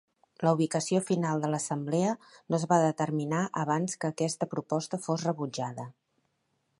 La ubicació final de l'assemblea no es va determinar abans que aquesta proposta fos rebutjada.